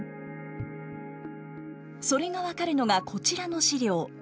それが分かるのがこちらの資料。